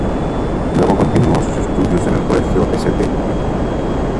Luego continuó sus estudios en el Colegio St.